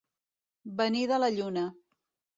Venir de la lluna.